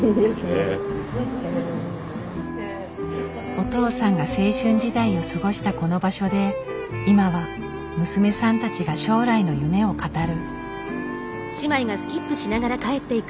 お父さんが青春時代を過ごしたこの場所で今は娘さんたちが将来の夢を語る。